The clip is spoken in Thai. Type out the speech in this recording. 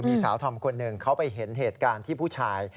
มีสาวธอมคนหนึ่งเขาไปเห็นเหตุการณ์ที่ผู้ชาย